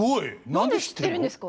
何で知ってるんですか？